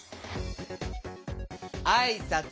あいさつ